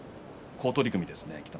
好取組ですね。